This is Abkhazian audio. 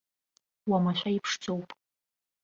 Уамашәа иԥшӡоуп.